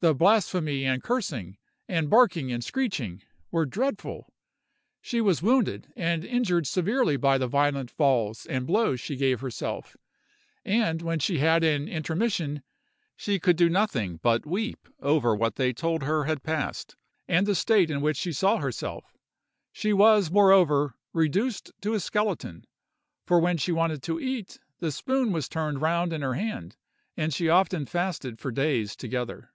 The blasphemy and cursing, and barking and screeching, were dreadful. She was wounded and injured severely by the violent falls and blows she gave herself; and when she had an intermission, she could do nothing but weep over what they told her had passed, and the state in which she saw herself. She was, moreover, reduced to a skeleton; for when she wanted to eat, the spoon was turned round in her hand, and she often fasted for days together.